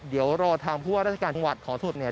เดี๋ยวเราทางผู้ว่าราชการบริษัทคำวัดขอถุดนะเนี่ย